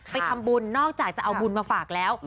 ไปทำบุญนอกจากจะเอาบุญมาฝากแล้ว